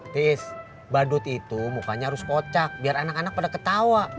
terus badut itu mukanya harus kocak biar anak anak pada ketawa